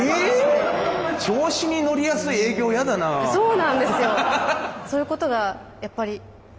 そうなんですよ。